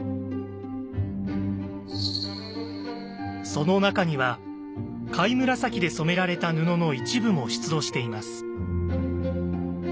その中には貝紫で染められた布の一部も出土しています。